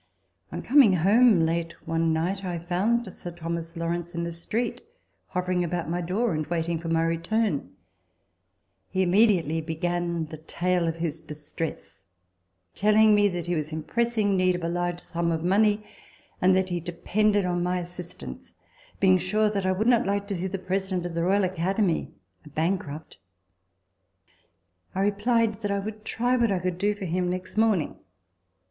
On coming home late one night, I found Sir Thomas Lawrence in the street, hovering about my door, and waiting for my return. He immediately began the tale of his distress telling me that he was in pressing want of a large sum of money, and that he depended on my assistance, being sure that I would not like to see the President of the Royal Academy a bankrupt. I replied that I would try what I could do for him next morning.